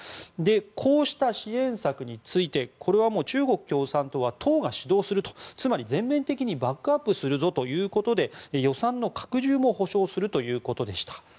こうした支援策についてこれは中国共産党は党が指導する、つまり全面的にバックアップするということで予算の拡充も保障するということでした。